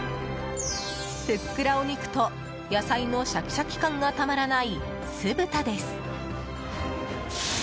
ふっくらお肉と野菜のシャキシャキ感がたまらない酢豚です。